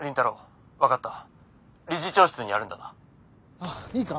ああいいか？